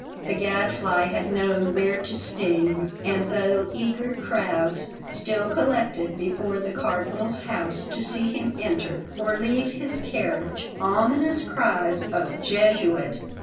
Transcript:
The Gadfly had known where to sting; and, though eager crowds still collected before the Cardinal's house to see him enter or leave his carriage, ominous cries of "Jesuit!"